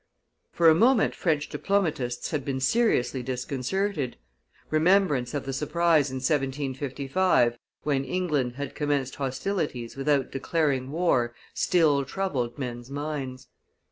For a moment French diplomatists had been seriously disconcerted; remembrance of the surprise in 1755, when England had commenced hostilities without declaring war, still troubled men's minds.